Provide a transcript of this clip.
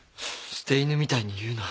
捨て犬みたいに言うな。